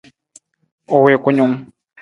U wii kunung.